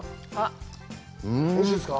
おいしいですか？